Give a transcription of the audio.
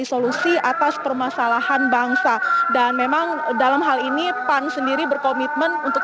kita segera tergabung dengan tika beremau